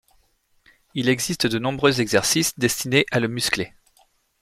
Il existe de nombreux exercices destinés à le muscler.